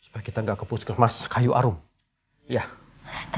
nah itu eike